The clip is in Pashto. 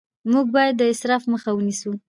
موږ باید د اسراف مخه ونیسو